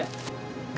ini si kek